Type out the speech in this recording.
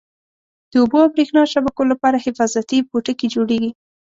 د اوبو او بریښنا شبکو لپاره حفاظتي پوټکی جوړیږي.